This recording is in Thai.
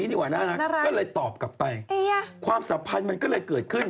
ดีกว่าน่ารักก็เลยตอบกลับไปความสัมพันธ์มันก็เลยเกิดขึ้น